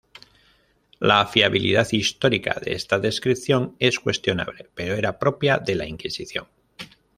La fiabilidad histórica de esta descripción es cuestionable, pero era propia de la inquisición.